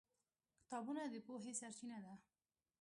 کتابونه د پوهې سرچینه ده.